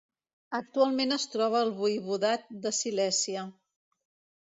Actualment es troba al Voivodat de Silèsia.